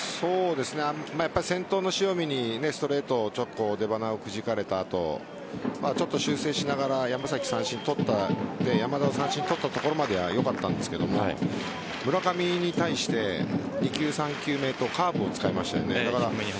先頭の塩見にストレートを出鼻をくじかれた後ちょっと修正しながら山崎、三振に取ったので山田を三振に取ったところまではよかったんですが村上に対して２球、３球目とカーブを使いましたよね。